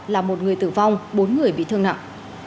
là một người tử vong bốn người bị thương nặng